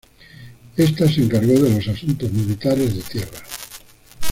Ésta se encargó de los asuntos militares de tierra.